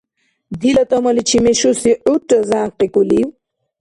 Дила тӀамаличи мешуси гӀурра зянкъикӀулив?